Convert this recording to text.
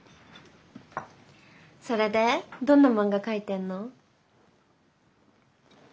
それでどんな漫画描いてんの？